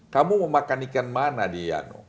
kamu mau makan ikan mana di iyano